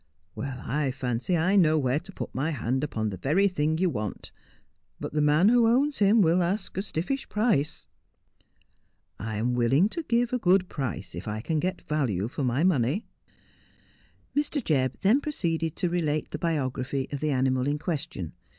' I fancy I know where to put my hand upon the very thing you want ; but the man who owns him will ask a stiffish price.' ' I am willing to give a good price if I can get value for my money.' Mr. Jebb then proceeded to relate the biography of the animal in question.